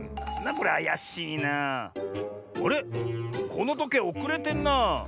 このとけいおくれてんなあ。